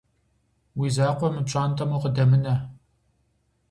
Уи закъуэ мы пщӀантӀэм укъыдэмынэ.